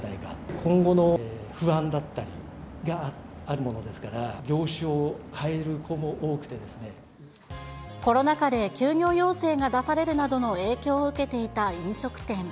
今後の不安だったりがあるものですから、コロナ禍で休業要請が出されるなどの影響を受けていた飲食店。